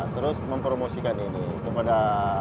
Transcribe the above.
terus mempromosikan ini kepada